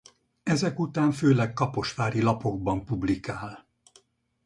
Ezek után főleg kaposvári lapokban publikál.